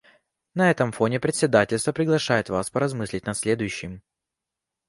На этом фоне председательство приглашает вас поразмыслить над следующим.